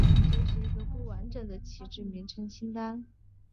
这是一个不完整的旗帜昵称清单。